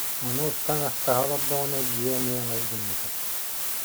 Ону устан астаһа олордоҕуна эдьиийэ эмиэ өҥөс гыммыта